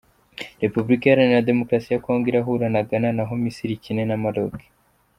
Repubulika iharanira demokarasi ya Congo irahura na Ghana naho Misiri ikine na Maroc.